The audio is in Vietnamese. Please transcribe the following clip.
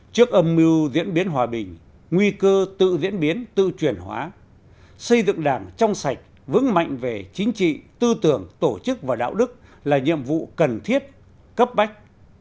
trước âm mưu diễn biến hòa bình nguy cơ tự diễn biến tự chuyển hóa xây dựng đảng trong sạch vững mạnh về chính trị tư tưởng tổ chức và đạo đức là nhiệm vụ cần thiết cấp bách